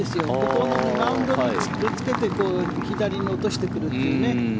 ここのマウンドにつけて左に落としてくるというね。